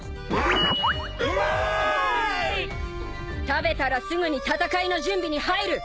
食べたらすぐに戦いの準備に入る。